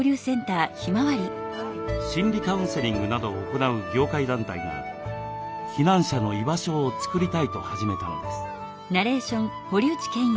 心理カウンセリングなどを行う業界団体が避難者の居場所を作りたいと始めたのです。